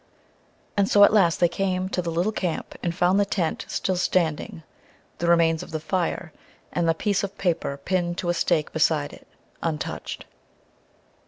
And so at last they came to the little camp and found the tent still standing, the remains of the fire, and the piece of paper pinned to a stake beside it untouched.